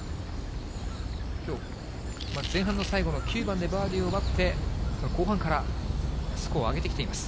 きょう、前半最後の９番でバーディーを奪って、後半からスコアを上げてきています。